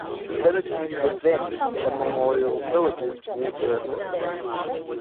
The village is within the Memorial Villages Water Authority.